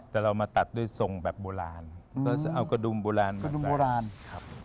แต่เรามาตัดด้วยทรงแบบโบราณก็จะเอากระดุมโบราณมาใส่